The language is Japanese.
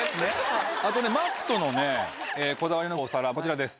あとねＭａｔｔのこだわりのお皿こちらです。